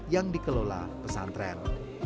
yang dikelola pesantren